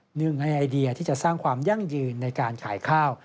หนึ่งในไอเดียที่จะสร้างความยั่งยืนในการขายข้าว